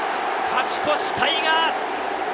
勝ち越しタイガース！